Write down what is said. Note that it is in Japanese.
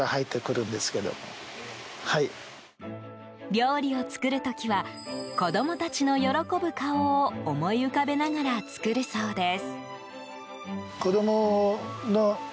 料理を作る時は子供たちの喜ぶ顔を思い浮かべながら作るそうです。